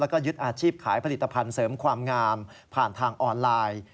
แล้วก็ยึดอาชีพขายผลิตภัณฑ์เสริมความงามผ่านทางออนไลน์